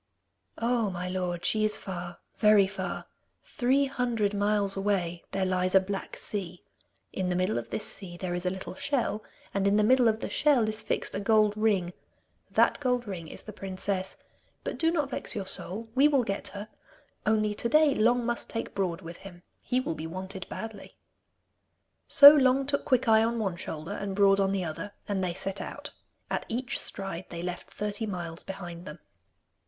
'Oh, my lord, she is far, very far. Three hundred miles away there lies a black sea. In the middle of this sea there is a little shell, and in the middle of the shell is fixed a gold ring. That gold ring is the princess. But do not vex your soul; we will get her. Only to day, Long must take Broad with him. He will be wanted badly.' So Long took Quickeye on one shoulder, and Broad on the other, and they set out. At each stride they left thirty miles behind them.